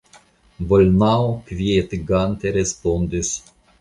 Bolnau kvietigante respondis.